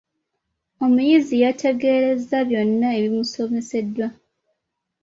Omuyizi yeetegerezza byonna ebimusomeseddwa.